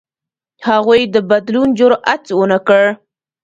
هغوی د بدلون جرئت ونه کړ.